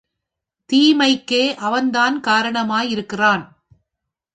தீமைக்கே அவன்தான் காரணமாக இருக்கிறான்.